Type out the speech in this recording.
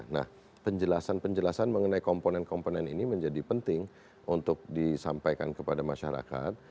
nah penjelasan penjelasan mengenai komponen komponen ini menjadi penting untuk disampaikan kepada masyarakat